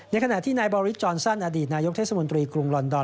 ขณะที่นายบอริสจอนสั้นอดีตนายกเทศมนตรีกรุงลอนดอน